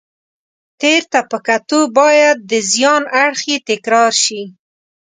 تېر ته په کتو باید د زیان اړخ یې تکرار شي.